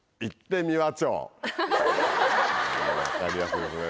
分かりやすいですね。